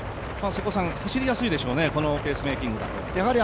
走りやすいでしょうね、このペースメイキングだと。